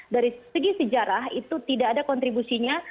dari segi sejarah itu tidak ada kontribusinya